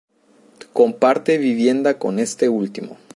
Comparte vivienda con este último.